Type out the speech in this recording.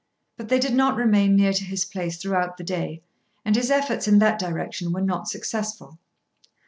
But they did not remain near to his place throughout the day, and his efforts in that direction were not successful.